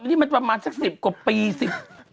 นี่มันประมาณสัก๑๐กว่าปี๑๐ปี